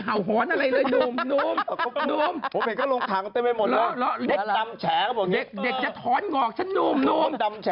อ้าวนุ่มนุ่มนุ่มนุ่ม